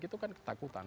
itu kan ketakutan